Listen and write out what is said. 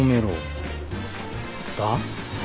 だ？